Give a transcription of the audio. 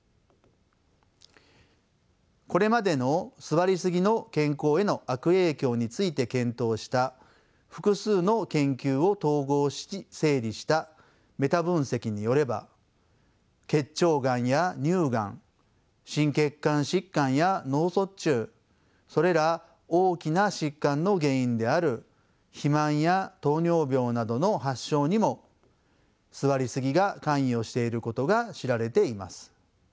これまでの座りすぎの健康への悪影響について検討した複数の研究を統合し整理したメタ分析によれば結腸がんや乳がん心血管疾患や脳卒中それら大きな疾患の原因である肥満や糖尿病などの発症にも座りすぎが関与していることが知られています。